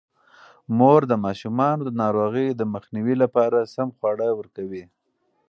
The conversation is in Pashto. مور د ماشومانو د ناروغۍ د مخنیوي لپاره سم خواړه ورکوي.